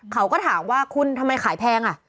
เขาก็ถามว่าคุณทำไมขายแพงอ่ะ